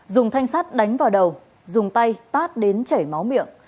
dùng thanh sắt đánh vào đầu dùng tay tát đến chảy máu miệng